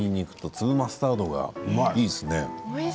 粒マスタードがいいですね。